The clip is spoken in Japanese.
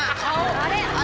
あれ？